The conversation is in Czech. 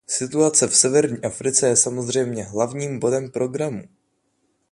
Situace v severní Africe je samozřejmě hlavním bodem programu.